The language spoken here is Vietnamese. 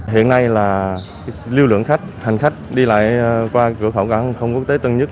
hiện nay là lưu lượng hành khách đi lại qua cơ khẩu cảnh không quốc tế tân nhất